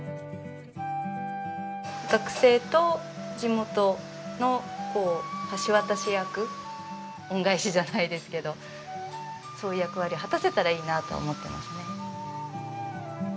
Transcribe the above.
学生と地元の橋渡し役恩返しじゃないですけどそういう役割を果たせたらいいなとは思ってますね。